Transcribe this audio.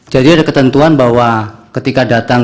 jadi ada ketentuan bahwa ketika datang